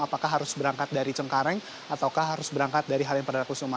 apakah harus berangkat dari cengkareng ataukah harus berangkat dari halim perdana kusuma